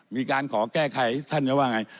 มีการขอแก้ไขท่านจะว่าอย่างไร